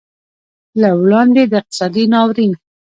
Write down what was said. له وړاندې د اقتصادي ناورین